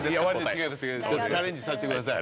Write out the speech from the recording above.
違いますチャレンジさせてください。